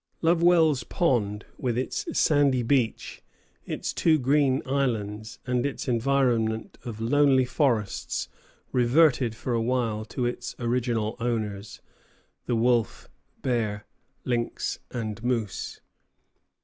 Lovewell's Pond, with its sandy beach, its two green islands, and its environment of lonely forests, reverted for a while to its original owners, the wolf, bear, lynx, and moose.